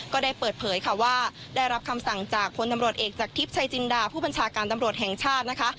ก็ได้เปิดเผยค่ะว่าได้รับคำสั่งจากพลตำรวจเอกจากทิพย์ชัยจินดาผู้บัญชาการตำรวจแห่งชาตินะคะ